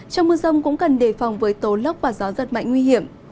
trong mưa rông cũng cần đề phòng với tố lốc và gió giật mạnh nguy hiểm